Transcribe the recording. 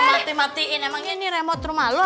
gua matiin matiin emangnya ini remote rumah lo apa